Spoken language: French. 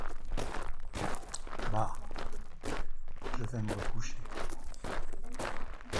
Bah ! je vais me recoucher.